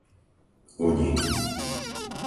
Unín